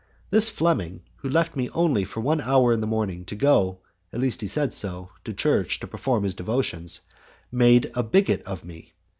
This Fleming, who left me only for one hour in the morning, to go at least he said so to church to perform his devotions, made a bigot of me!